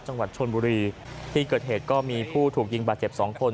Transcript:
จังหวัดชนบุรีที่เกิดเหตุก็มีผู้ถูกยิงบาดเจ็บสองคน